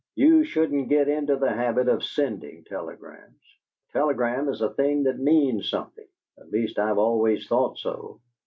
You shouldn't get into the habit of sending telegrams. A telegram is a thing that means something at least, I've always thought so.